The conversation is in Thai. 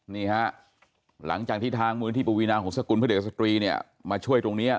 นี่ฮะหลังจากที่ทางมูลที่ปวีนาของสกุลเพื่อเด็กสตรีเนี่ยมาช่วยตรงนี้